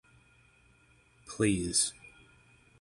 Please.